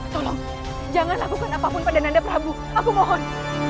tolong jangan lakukan apapun pada nanda prabu aku mohon